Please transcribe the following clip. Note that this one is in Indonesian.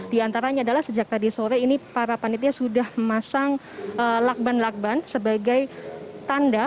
di antaranya adalah sejak tadi sore ini para panitia sudah memasang lakban lakban sebagai tanda